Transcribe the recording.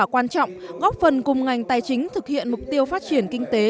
kết quả quan trọng góp phần cùng ngành tài chính thực hiện mục tiêu phát triển kinh tế